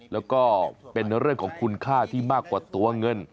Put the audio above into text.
แล้วก็เป็นเรื่องของคุณค่าที่มากกว่าตัวเงิน